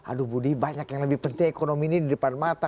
aduh budi banyak yang lebih penting ekonomi ini di depan mata